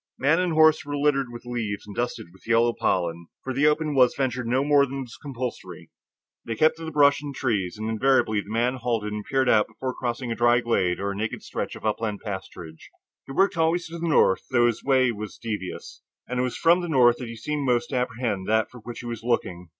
Man and horse were littered with leaves and dusted with yellow pollen, for the open was ventured no more than was compulsory. They kept to the brush and trees, and invariably the man halted and peered out before crossing a dry glade or naked stretch of upland pasturage. He worked always to the north, though his way was devious, and it was from the north that he seemed most to apprehend that for which he was looking.